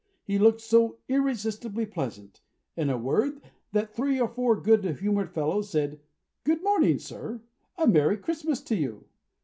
He looked so irresistibly pleasant, in a word, that three or four good humored fellows said "Good morning, sir! A Merry Christmas to you!"